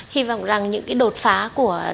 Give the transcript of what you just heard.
hy vọng rằng những cái đột phá của